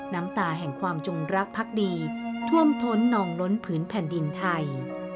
น้ำตาแห่งความจงรักพักดีท่วมท้นนองล้นผืนแผ่นดินไทย